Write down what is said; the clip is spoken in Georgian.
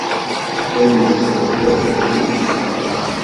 თემის ცენტრია სოფელი ისკარი.